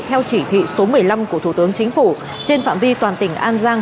theo chỉ thị số một mươi năm của thủ tướng chính phủ trên phạm vi toàn tỉnh an giang